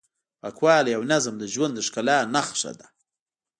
پاکوالی او نظم د ژوند د ښکلا نښه ده.